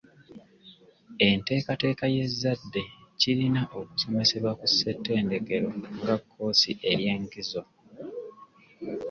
Enteekateeka y'ezzadde kirina okusomesebwa ku ssettendekero nga kkoosi ery'enkizo.